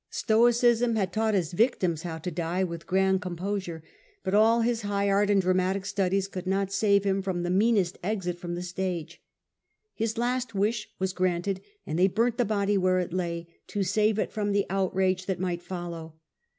Stoicism had taught his victims how to die with grand composure ; but all his high art and dra matic studies could not save him from the meanest exit from the stage. His last wish was granted, and they burnt the body where it lay, to save it from the outrage that might follow.